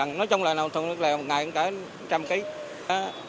nói chung là một thùng nước lèo một ngày cũng cả một trăm linh kg